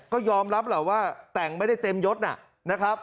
ก็ยอมรับแหละว่าแต่งไม่ได้เต็มยดนะครับ